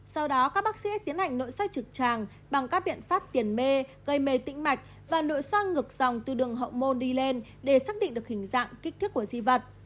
sau đó các bác sĩ tiến hành nội soi trực tràng bằng các biện pháp tiền mê gây mê tĩnh mạch và nội soi ngược dòng từ đường hậu môn đi lên để xác định được hình dạng kích thước của di vật